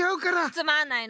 つまんないの！